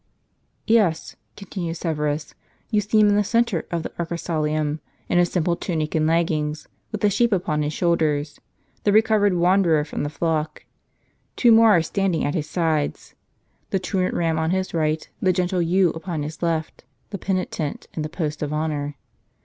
" Yes," continued Severus, " you see Him in the centre of the arcosolium, in His simple tunic and leggings, with a sheep upon His shoulders, the recovered wanderer from the flock. Two more are standing at His sides ; the truant ram on His right, the gentle ewe upon His left ; the penitent in the post of honor.